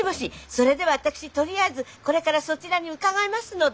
それでは私とりあえずこれからそちらに伺いますので。